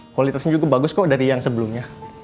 kualitasnya cukup bagus kok dari yang sebelumnya